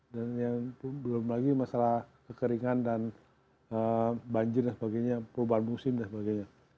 dan yang belum lagi masalah kekeringan dan banjir dan sebagainya perubahan musim dan sebagainya